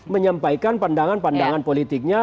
menyampaikan pandangan pandangan politiknya